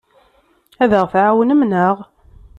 Ad aɣ-tɛawnem, naɣ?